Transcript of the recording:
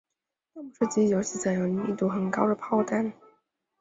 弹幕射击游戏则采用密度很高的炮弹。